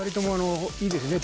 いいですね。